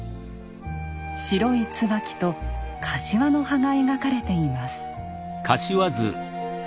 白い椿と柏の葉が描かれています。